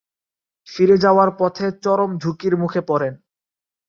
ফিরে যাওয়ার পথে চরম ঝুঁকির মুখে পড়েন।